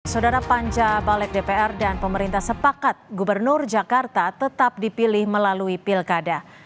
saudara panca balik dpr dan pemerintah sepakat gubernur jakarta tetap dipilih melalui pilkada